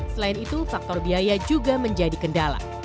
selain itu faktor biaya juga menjadi kendala